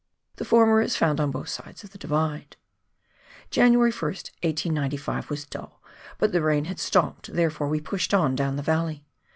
The former is found on both sides of the Divide. January 1st, 1895, was dull, but the rain had stopped, there fore we pushed on down the valley.